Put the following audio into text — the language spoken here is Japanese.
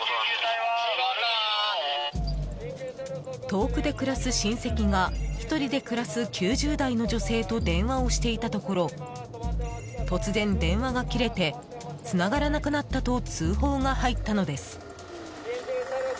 遠くで暮らす親戚が１人で暮らす９０代の女性と電話をしていたところ突然、電話が切れてつながらなくなったと通報が入ったのです。